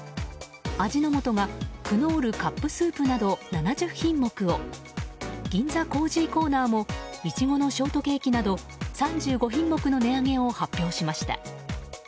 味の素がクノールカップスープなど７０品目を銀座コージーコーナーもイチゴのショートケーキなど３５品目の値上げを発表しました。